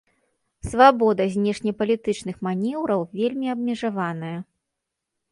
Свабода знешнепалітычных манеўраў вельмі абмежаваная.